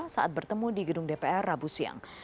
saat bertemu di gedung dpr rabu siang